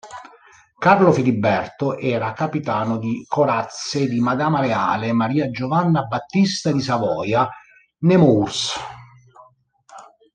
Carlo Filiberto era capitano di corazze di Madama Reale Maria Giovanna Battista di Savoia-Nemours.